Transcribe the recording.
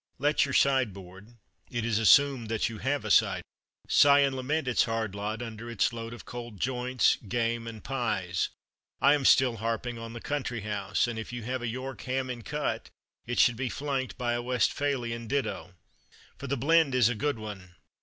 Let your sideboard it is assumed that you have a sideboard sigh and lament its hard lot, under its load of cold joints, game, and pies, I am still harping on the country house; and if you have a York ham in cut, it should be flanked by a Westphalian ditto. For the blend is a good one.